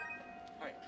はい。